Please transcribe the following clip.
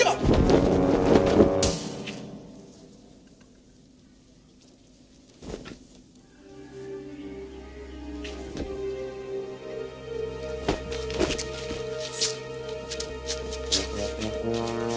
tidak tuan ku